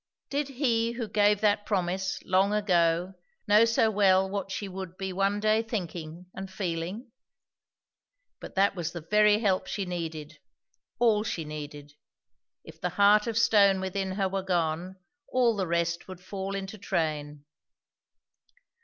Did He who gave that promise, long ago, know so well what she would be one day thinking and feeling? But that was the very help she needed; all she needed; if the heart of stone within her were gone, all the rest would fall into train.